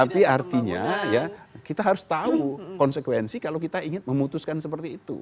tapi artinya ya kita harus tahu konsekuensi kalau kita ingin memutuskan seperti itu